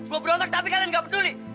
gua berontak tapi kalian gak peduli